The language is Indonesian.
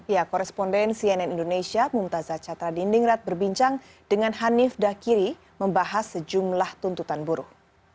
ya koresponden cnn indonesia mumtazah catra dindingrat berbincang dengan hanif dakiri membahas sejumlah tuntutan buruh